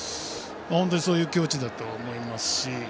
本当にそういう境地だと思います。